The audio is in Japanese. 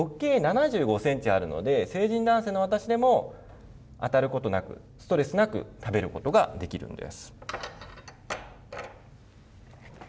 下開いてますし、しかも、直径７５センチあるので、成人男性の私でも当たることなく、ストレスなく、食べることができるんです。